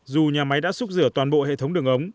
dù nhà máy đã xúc rửa toàn bộ hệ thống đường ống